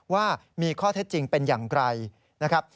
ว่ามีข้อเท็จจริงเป็นอย่างไรนะครับ